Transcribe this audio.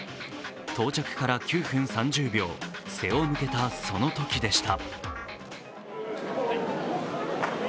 到着から９分３０秒背を向けたそのときでした。